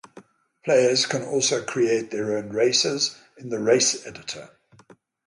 Players can also create their own races in the Race Editor.